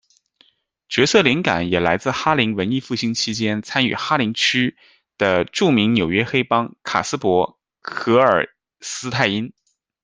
角色灵感也来自哈林文艺复兴期间参与哈林区「」的着名纽约黑帮卡斯柏·荷尔斯泰因。